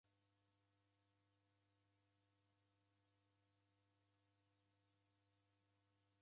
Nedeenda w'ughangenyi ela w'ughanga ndeghuko.